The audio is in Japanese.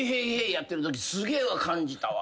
やってるときすげえ感じたわ。